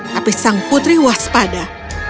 tapi sang putri waspada